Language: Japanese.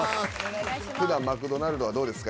ふだん「マクドナルド」はどうですか？